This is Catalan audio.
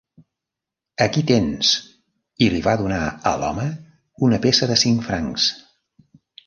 "Aquí tens", i li va donar a l'home una peça de cinc francs.